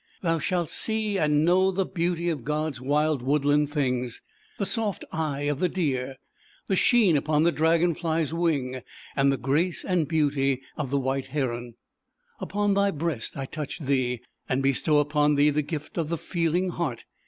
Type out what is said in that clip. Thou shalt see >|know the beauJ^C^od's wild odland things, the soft eye of the ^.L "L 1 >Ml 1^1 eer, the sheen upon the Dragon Fly s wing and the grace and beauty of the White Heron a ijftO I /g ^ "Upon thy breast I" touch thee and w upon thee, the gift of the Feeling eart.